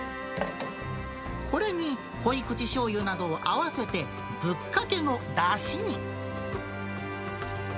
これに濃い口しょうゆなどを合わせてぶっかけのだしに。